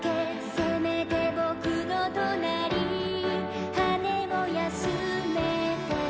「せめて僕の隣」「羽根を休めて」